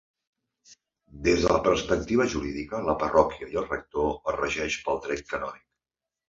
Des de la perspectiva jurídica la parròquia i el rector es regeix pel dret canònic.